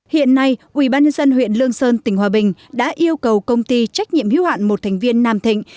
hiện nay quỹ ban nhân dân huyện lương sơn tỉnh hòa bình đã yêu cầu công ty trách nhiệm hữu hạn một thành viên nam thịnh